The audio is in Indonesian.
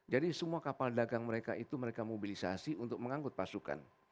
jadi semua kapal dagang mereka itu mereka mobilisasi untuk mengangkut pasukan